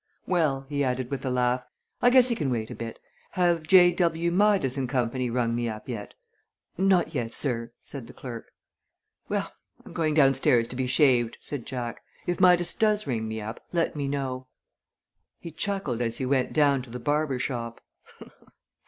"Well," he added with a laugh, "I guess he can wait a bit. Have J. W. Midas & Co. rung me up yet?" "Not yet, sir," said the clerk. "Well, I'm going down stairs to be shaved," said Jack. "If Midas does ring me up let me know." He chuckled as he went down to the barber shop.